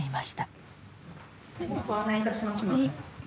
ご案内いたしますので。